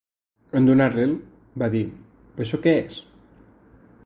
En donar-li’l va dir Això què és?